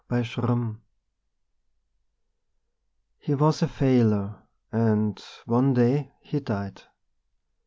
COMPASSION HE was a failure, and one day he died.